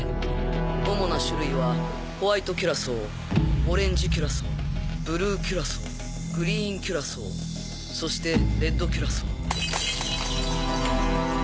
主な種類はホワイトキュラソーオレンジキュラソーブルーキュラソーグリーンキュラソーそしてレッドキュラソー。